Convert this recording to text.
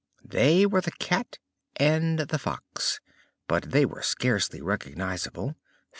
They were the Cat and the Fox, but they were scarcely recognizable.